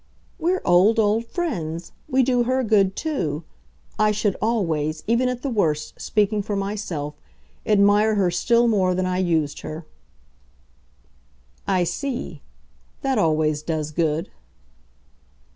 "We're old, old friends we do her good too. I should always, even at the worst speaking for myself admire her still more than I used her." "I see. That always does good."